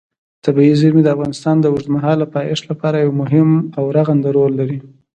طبیعي زیرمې د افغانستان د اوږدمهاله پایښت لپاره یو مهم او رغنده رول لري.